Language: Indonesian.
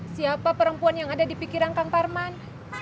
siapa perempuan yang ada di pikiran kang parman